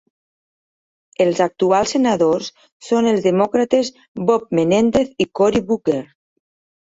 Els actuals senadors són els demòcrates Bob Menéndez i Cory Booker.